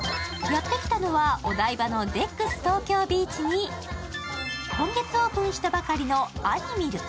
やってきたのは、お台場のデックス東京ビーチに今月オープンしたばかりのアニミル。